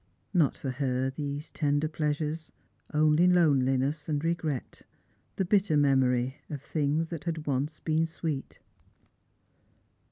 Not for her these tender pleasures, only loneliness and regret ; the bitter memory of things that had once been sweet.